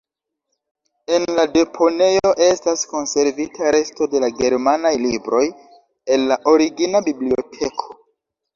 En la deponejo estas konservita resto de la germanaj libroj el la origina biblioteko.